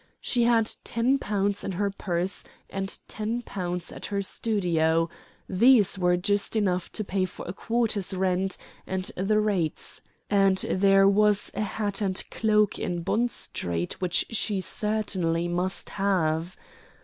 She had ten pounds in her purse and ten pounds at her studio these were just enough to pay for a quarter's rent and the rates, and there was a hat and cloak in Bond Street which she certainly must have.